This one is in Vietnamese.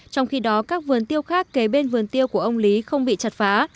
trong khi đó các vườn tiêu khác kế bên vườn tiêu của ông lý không bị chặt phá